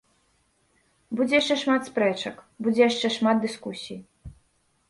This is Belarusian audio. Будзе яшчэ шмат спрэчак, будзе яшчэ шмат дыскусій.